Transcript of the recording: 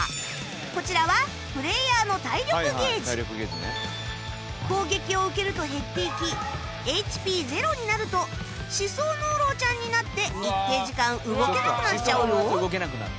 こちらは攻撃を受けると減っていき ＨＰ ゼロになると歯槽膿漏ちゃんになって一定時間動けなくなっちゃうよ